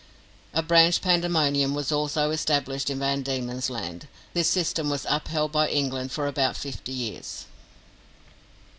A branch pandemonium was also established in Van Diemen's Land. This system was upheld by England for about fifty years.